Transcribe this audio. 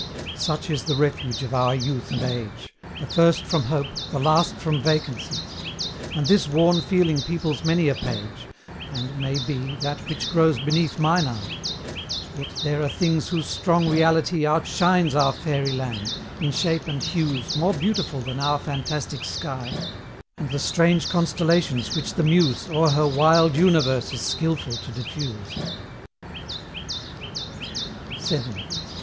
Such is the refuge of our youth and age, The first from Hope, the last from Vacancy; And this worn feeling peoples many a page, And, may be, that which grows beneath mine eye: Yet there are things whose strong reality Outshines our fairy land; in shape and hues More beautiful than our fantastic sky, And the strange constellations which the Muse O'er her wild universe is skilful to diffuse: VII.